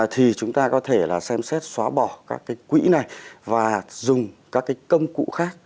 thì chúng ta có thể là xem xét xóa bỏ các cái quỹ này và dùng các cái công cụ khác